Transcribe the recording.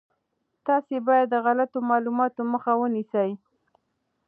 تاسي باید د غلطو معلوماتو مخه ونیسئ.